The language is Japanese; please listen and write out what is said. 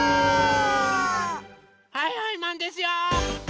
はいはいマンですよ！